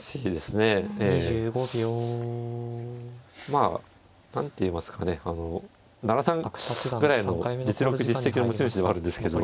まあ何ていいますかね七段ぐらいの実力実績の持ち主ではあるんですけど